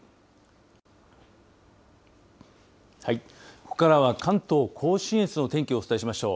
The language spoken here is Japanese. ここからは関東甲信越の天気をお伝えしましょう。